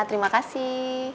iya terima kasih